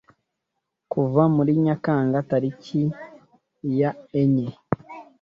kuva muri Nyakanga tariki ya enye